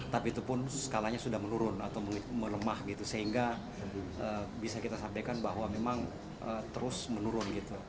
tapi itu pun skalanya sudah menurun atau melemah gitu sehingga bisa kita sampaikan bahwa memang terus menurun gitu